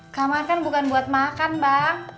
kamar kan bukan buat makan mbak